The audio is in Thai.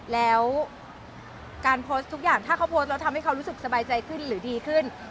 แล้วการโพสต์ทุกอย่างถ้าเขาโพสต์แล้วทำให้เขารู้สึกสบายใจขึ้นหรือดีขึ้น